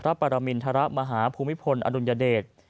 พระปรามิณฑรมหาภูมิพลอนุญเดช